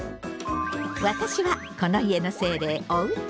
私はこの家の精霊おうち。